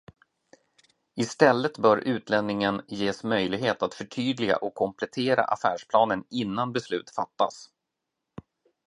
I stället bör utlänningen ges möjlighet att förtydliga och komplettera affärsplanen innan beslut fattas.